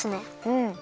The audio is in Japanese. うん。